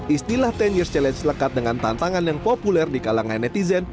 istilah sepuluh years challenge lekat dengan tantangan yang populer di kalangan netizen